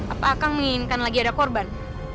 apa akan menginginkan lagi ada korban